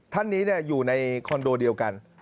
ท่านนี้อยู่ในคอนโดเดียวกัน